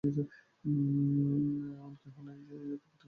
এমন কেহও নাই, যে শুধু অপ্রীতিকর ভাবগুলিই অনুভব করে।